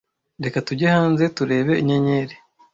Reka tujye hanze turebe inyenyeri